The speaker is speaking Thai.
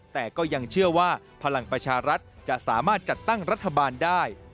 แต่ก็ยังเชื่อว่าพลังประชารัฐจะสามารถจัดตั้งรัฐบาลได้